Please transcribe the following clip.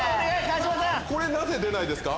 これなぜ出ないですか？